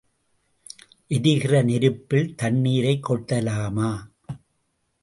எரிகிற நெருப்பில் தண்ணீரைக் கொட்டலாமா?